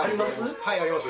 はいあります。